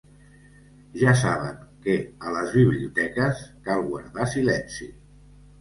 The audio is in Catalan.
Ja saben que a les biblioteques cal guardar silenci.